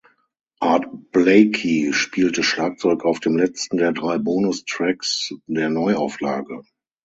Art Blakey spielte Schlagzeug auf dem letzten der drei Bonustracks der Neuauflage.